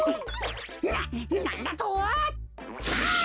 ななんだと！たあ！